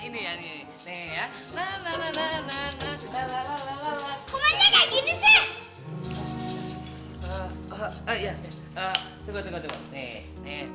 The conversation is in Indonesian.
nggak asik nih